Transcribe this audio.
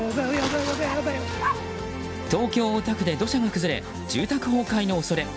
東京・大田区で、土砂が崩れ住宅崩壊の恐れ。